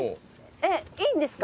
えっいいんですか？